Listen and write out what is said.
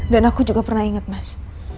dan aku juga pernah ingat mas